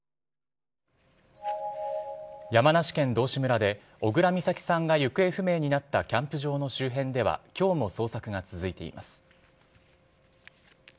山梨県道志村で小倉美咲さんが行方不明になったキャンプ場の周辺では、きょうも捜索が続いています。